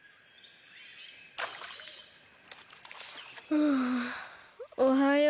はあおはよう。